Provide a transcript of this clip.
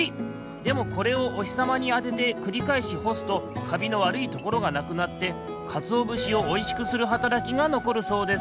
でもこれをおひさまにあててくりかえしほすとカビのわるいところがなくなってかつおぶしをおいしくするはたらきがのこるそうです。